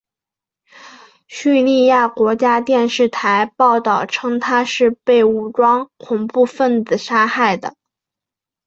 叙利亚国家电视台报道称他是被武装恐怖分子杀害的。